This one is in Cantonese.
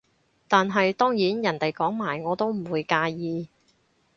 但係當然人哋講埋我都唔會介意